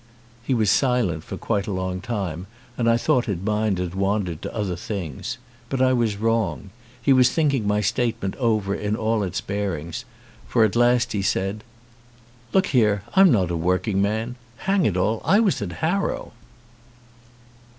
He was silent for quite a long time and I thought his mind had wandered to other things. But I was wrong; he was thinking my statement over in all its bearings, for at last he said: "Look here, I'm not a working man. Hang it all, I was at Harrow."